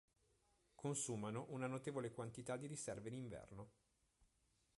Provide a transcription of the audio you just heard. Consumano una notevole quantità di riserve in inverno.